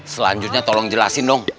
selanjutnya tolong jelasin dong